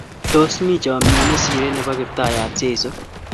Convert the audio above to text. Tos mi chamyet ne sirei nepo Kiptayat Jeso?